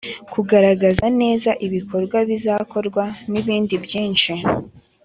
Kugaragaza neza ibikorwa bizakorwa n’ ibindi byinshi